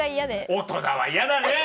大人は嫌だね。